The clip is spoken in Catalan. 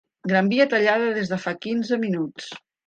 Gran Via tallada des de fa quinze minuts.